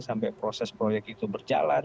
sampai proses proyek itu berjalan